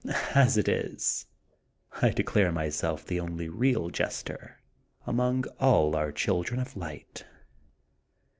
As it is, I declare myself the only real jester among all our children of light.'